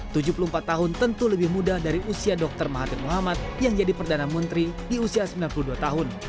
tujuh puluh empat tahun tentu lebih muda dari usia dokter mahathir muhammad yang jadi perdana menteri di usia sembilan puluh dua tahun